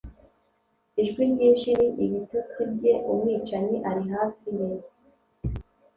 Ijwi ryinshi ni ibitotsi bye umwicanyi ari hafi ye